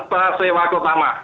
terima kasih pak bambang